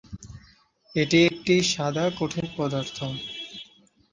এটি একটি সাদা কঠিন পদার্থ।